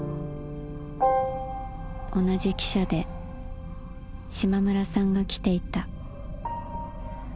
同じ汽車で島村さんが来ていた。